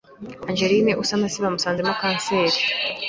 Angeline Usanase bamusanzemo kanseri,